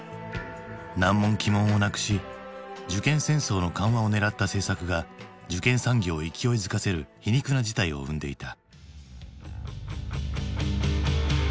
難問奇問をなくし受験戦争の緩和を狙った政策が受験産業を勢いづかせる皮肉な事態を生んでいた。